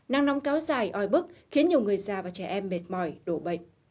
nắng nóng kéo dài oi bức khiến nhiều người già và trẻ em mệt mỏi đổ bệnh